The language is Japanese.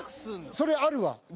「それあるわ」？